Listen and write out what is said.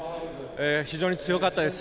非常に強かったです。